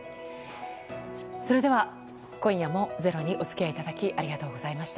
それでは、今夜も「ｚｅｒｏ」にお付き合いいただきありがとうございました。